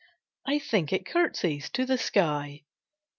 I think it curtseys to the sky.